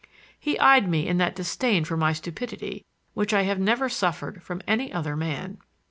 He eyed me in that disdain for my stupidity which I have never suffered from any other man.